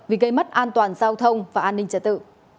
vì gây mất an toàn giao thông và an ninh trật tự